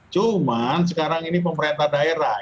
cuma sekarang ini pemerintah daerah